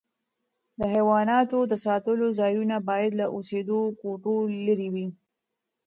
د حیواناتو د ساتلو ځایونه باید له اوسېدو کوټو لیري وي.